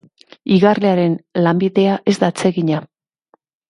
Igarlearen lanbidea ez da atsegina.